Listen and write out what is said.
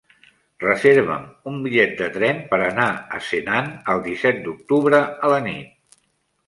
Reserva'm un bitllet de tren per anar a Senan el disset d'octubre a la nit.